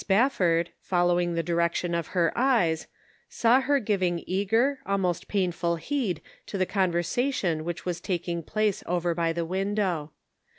Spafford, following the direction of her eyes, saw her giving eager, almost painful heed to the conversation which was taking place over by the window.